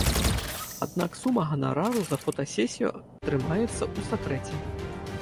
Аднак сума ганарару за фотасесію трымаецца ў сакрэце.